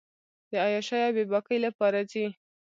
د عیاشۍ اوبېباکۍ لپاره ځي.